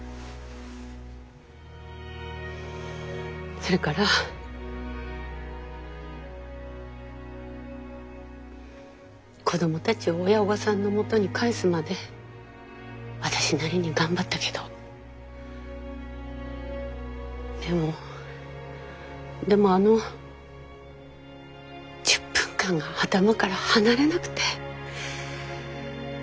それから子供たちを親御さんのもとに帰すまで私なりに頑張ったけどでもでもあの１０分間が頭から離れなくて。